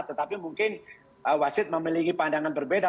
tetapi mungkin wasit memiliki pandangan berbeda